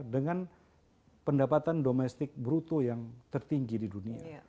dengan pendapatan domestik bruto yang tertinggi di dunia